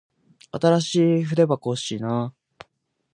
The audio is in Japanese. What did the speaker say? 新しい筆箱欲しいな。